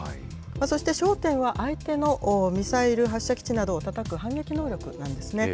そして焦点は、相手のミサイル発射基地などをたたく反撃能力なんですね。